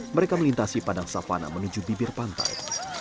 mereka melintasi padang savana menuju bibir pantai